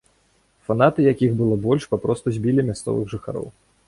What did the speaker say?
Фанаты, якіх было больш, папросту збілі мясцовых жыхароў.